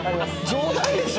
冗談でしょ？